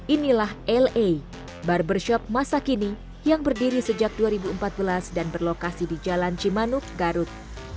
inilah la barbershop masa kini yang berdiri sejak dua ribu empat belas dan berlokasi di jalan cimanuk garut